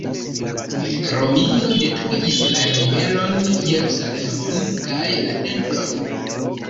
Romio detruis la ribelon, Jerusalemon kaj la Templon.